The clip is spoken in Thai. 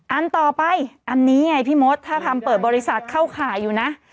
อันต่อไปอันนี้ไงพี่มดถ้าทำเปิดบริษัทเข้าข่ายอยู่นะ